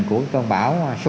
của bão số chín